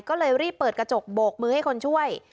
ก็เลยรีบเปิดกระจกโบกมือให้คนช่วย